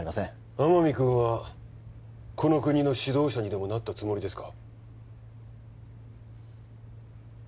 天海君はこの国の指導者にでもなったつもりですか？